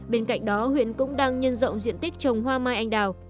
bên cạnh đó huyện cũng đang nhân rộng diện tích trồng hoa mai anh đào